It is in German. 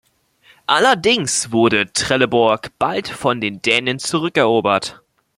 Allerdings wurde Trelleborg bald von den Dänen zurückerobert.